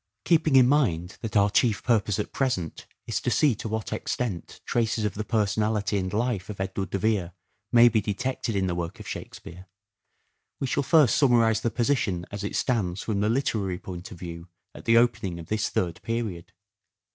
Plays as Keeping in mind that our chief purpose at present is to see to what extent traces of the personality and life of Edward de Vere may be detected in the work of Shakespeare, we shall first summarize the position as it stands from the literary point of view at the opening of this third period.